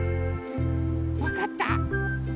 わかった？